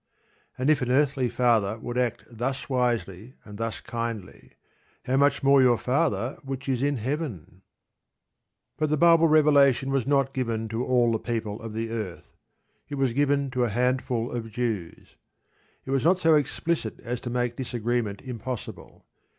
And if an earthly father would act thus wisely and thus kindly, "how much more your Father which is in Heaven?" But the Bible revelation was not given to all the people of the earth. It was given to a handful of Jews. It was not so explicit as to make disagreement impossible.